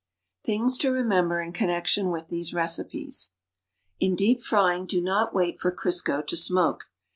THINGS TO REMEMBER IN CONNECTION WITH THESE RECIPES. In deep frying, do not wait for Crisco to smoke.